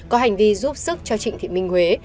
có hành vi giúp sức cho trịnh thị minh huế